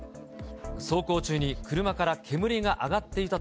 走行中に車から煙が上がっていた